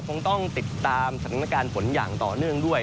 คงต้องติดตามสถานการณ์ฝนอย่างต่อเนื่องด้วย